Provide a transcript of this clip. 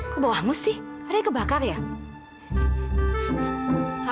ke bawahmu sih ada yang kebakar ya